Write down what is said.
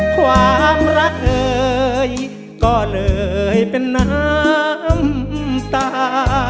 ความรักเอ่ยก็เลยเป็นน้ำตา